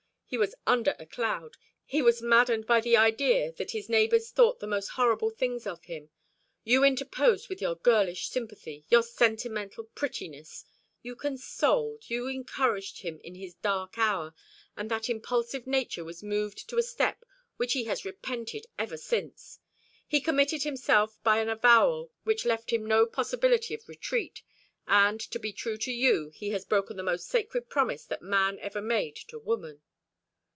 He was under a cloud. He was maddened by the idea that his neighbours thought the most horrible things of him. You interposed with your girlish sympathy, your sentimental prettiness. You consoled, you encouraged him in his dark hour; and that impulsive nature was moved to a step which he has repented ever since. He committed himself by an avowal which left him no possibility of retreat; and to be true to you he has broken the most sacred promise that man ever made to woman."